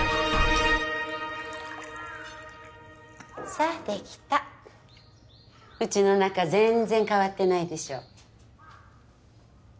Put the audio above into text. さあできたうちの中全然変わってないでしょ？